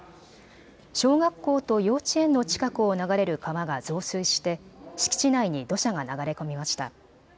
小学校と幼稚園の近くを流れる川が増水して敷地内に土砂が流れ込みました。